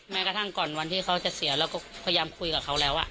แม้กระทั่งก่อนวันที่เขาจะเสียเราก็พยายามคุยกับเขาแล้ว